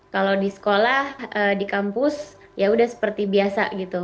kalau di sekolah di kampus yaudah seperti biasa gitu